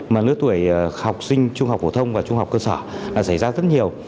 mà lứa tuổi học sinh trung học phổ thông và trung học cơ sở là xảy ra rất nhiều